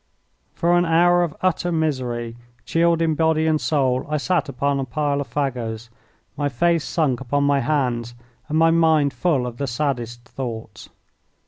For an hour of utter misery, chilled in body and soul, I sat upon a pile of fagots, my face sunk upon my hands and my mind full of the saddest thoughts.